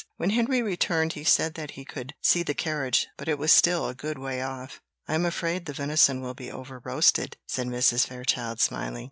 When Henry returned he said that he could see the carriage, but it was still a good way off. "I am afraid the venison will be over roasted," said Mrs. Fairchild, smiling.